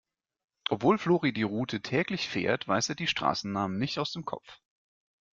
Obwohl Flori die Route täglich fährt, weiß er die Straßennamen nicht aus dem Kopf.